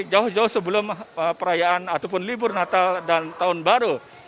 jauh jauh sebelum perayaan ataupun libur natal dan tahun baru